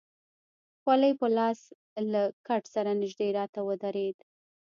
خولۍ په لاس له کټ سره نژدې راته ودرېد.